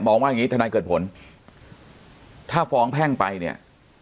ว่าอย่างงี้ทนายเกิดผลถ้าฟ้องแพ่งไปเนี่ย